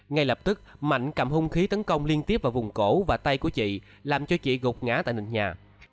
ngay lập tức mạnh cầm hung khí tấn công liên tiếp vào vùng cổ và tay của chị làm cho chị gục ngã tại nền nhà